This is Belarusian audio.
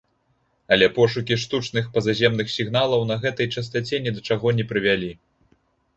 Але, пошукі штучных пазаземных сігналаў на гэтай частаце ні да чаго не прывялі.